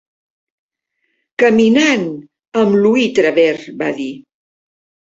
"Caminant amb Louie Travers", va dir.